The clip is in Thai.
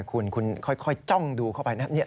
คุณคุณค่อยจ้องดูเข้าไปนะ